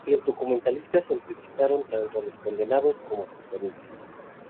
Los documentalistas entrevistaron tanto a los condenados como a sus familias.